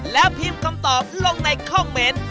แล้วพิมพ์คำตอบลงในคอมเมนต์